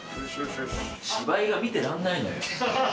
芝居が見てらんないのよ。